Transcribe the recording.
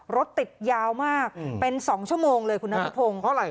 รถติดยาวมากเป็นสองชั่วโมงเลยคุณนักภพงศ์เพราะอะไรคะ